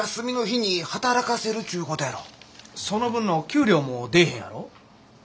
その分の給料も出えへんやろ？